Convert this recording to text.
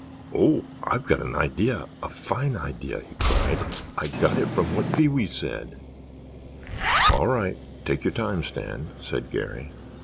"Oh, I've got an idea, a fine idea!" he cried. "I got it from what Pee wee said——" "All right, take your time, Stan," said Garry.